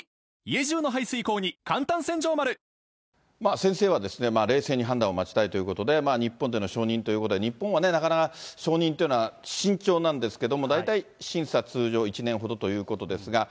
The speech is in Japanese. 先生は冷静に判断を待ちたいということで、日本での承認ということで、日本はなかなか承認というのは慎重なんですけども、大体、審査通常、１年ほどということですが。